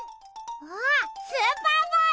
あっスーパーボール！